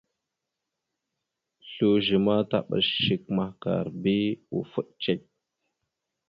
Slʉze ma taɓas shek mahəkar bi ufaɗ cek.